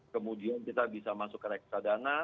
kemudian kita bisa masuk ke reksadana